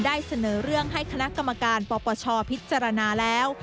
ได้เสนอเรื่องให้คณะกรรมการปปชพิจารณาแล้ว